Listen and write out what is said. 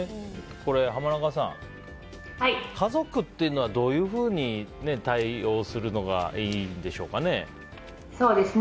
浜中さん、家族っていうのはどういうふうに対応するのがいいんでしょうか。